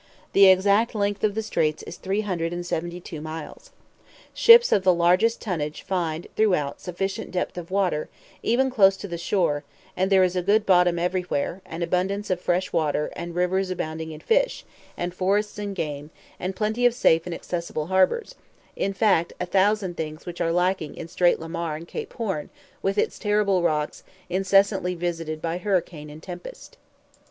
The exact length of the straits is 372 miles. Ships of the largest tonnage find, throughout, sufficient depth of water, even close to the shore, and there is a good bottom everywhere, and abundance of fresh water, and rivers abounding in fish, and forests in game, and plenty of safe and accessible harbors; in fact a thousand things which are lacking in Strait Lemaire and Cape Horn, with its terrible rocks, incessantly visited by hurricane and tempest.